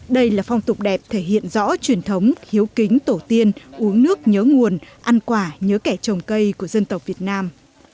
đây là phong tục đẹp thể hiện rõ truyền thống hiếu kính tổ tiên uống nước nhớ nguồn ăn quả nhớ kẻ trồng cây của dân tộc việt nam